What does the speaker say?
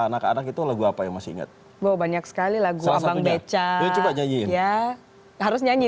anak anak itu lagu apa yang masih ingat banyak sekali lagu abang beca ya harus nyanyi